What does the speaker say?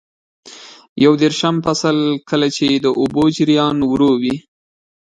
یو دېرشم فصل: کله چې د اوبو جریان ورو وي.